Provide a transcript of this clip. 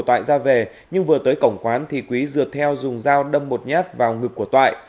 thoại ra về nhưng vừa tới cổng quán thì quý dựa theo dùng dao đâm một nhát vào ngực của toại